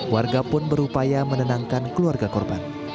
warga pun berupaya menenangkan keluarga korban